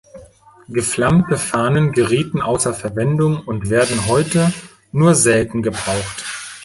Geflammte Fahnen gerieten ausser Verwendung und werden heute nur selten gebraucht.